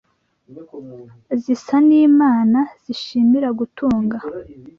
zisa nImana zishimira gutunga